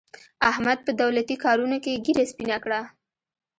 احمد په دولتي کارونو کې ږېره سپینه کړه.